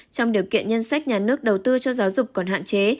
trong điều kiện ngân sách nhà nước đầu tư cho giáo dục còn hạn chế